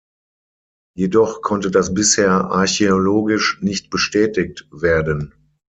Jedoch konnte das bisher archäologisch nicht bestätigt werden.